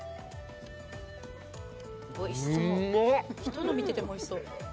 人の見てても美味しそう。